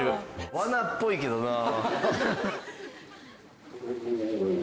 「わなっぽいけどなあ」